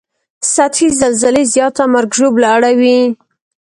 سطحي زلزلې زیاته مرګ ژوبله اړوي